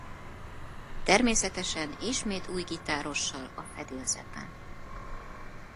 Természetesen ismét új gitárossal a fedélzeten.